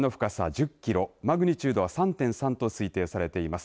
１０キロマグニチュードは３．３と推定されています。